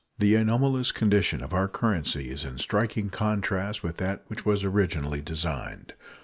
The anomalous condition of our currency is in striking contrast with that which was originally designed.